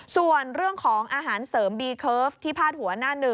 ส่วนเรื่องของอาหารเสริมบีเคิร์ฟที่พาดหัวหน้าหนึ่ง